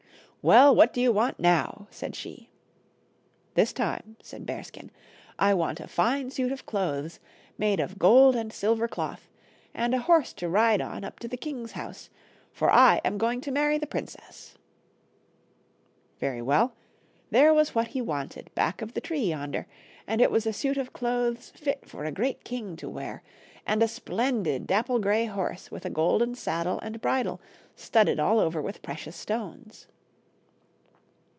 " Well, what do you want now," said she. " This time," said Bearskin, " I want a fine suit of clothes made of gold and silver cloth, and a horse to ride on up to the king's house, for I am going to marry the princess." Very well ; there was what he wanted back of the tree yonder ; and it was a suit of clothes fit for a great king to wear, and a splendid dapple gray horse with a golden saddle and bridle studded all over with precious stones.